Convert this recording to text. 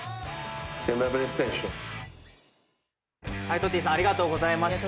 トッティさん、ありがとうございました。